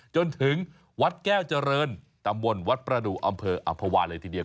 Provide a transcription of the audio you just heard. จนถึงวัดแก้วเจริญตำบลวัดประดูกอำเภออำภาวาเลยทีเดียว